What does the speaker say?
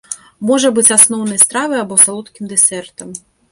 Можа быць асноўнай стравай або салодкім дэсертам.